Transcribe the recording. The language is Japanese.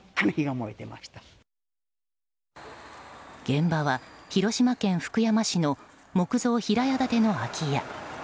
現場は、広島県福山市の木造平屋建ての空き家。